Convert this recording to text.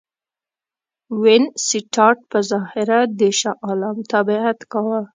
وینسیټارټ په ظاهره د شاه عالم تابعیت کاوه.